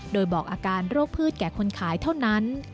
โดยบอกอาการโรคพืชแก่คนขายเท่านั้น